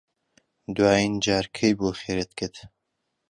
دوایین جار کەی بوو خێرت کرد؟